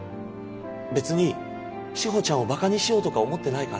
別に志保ちゃんを馬鹿にしようとか思ってないから。